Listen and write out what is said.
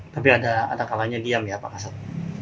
tapi ada kalanya diam ya pak kasat